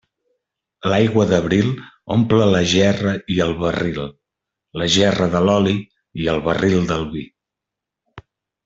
L'aigua d'abril omple la gerra i el barril; la gerra de l'oli i el barril del vi.